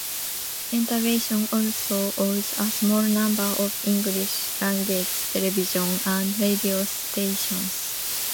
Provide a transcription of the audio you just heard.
Entravision also owns a small number of English-language television and radio stations.